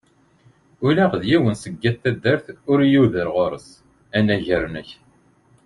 Ula d yiwen seg at taddart ur yuder ɣur-s, anagar nekk.